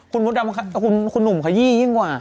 คุณมด่มคุณหนุ่มขยี่ยิ่งกว่า